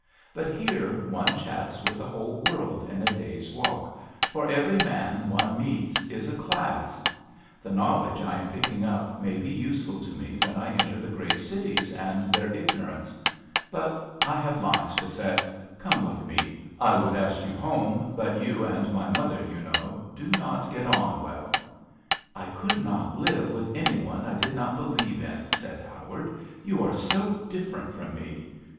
But here one chats with the whole world in a day's walk, for every man one meets is a class, The knowledge I am picking up may be useful to me when I enter the great cities and their ignor ance. But I have lines to set. Come with me. I would ask you home, but you and my mother, you know, do not get on well/' " I could not live with any one I did not believe in," said Howard; "you are so different from me.